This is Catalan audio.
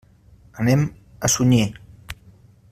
Anem a Sunyer.